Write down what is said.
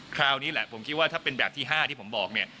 คราวนี้แหละผมคิดว่าถ้าเป็นแบบที่๕ที่ผมบอกเนี่ย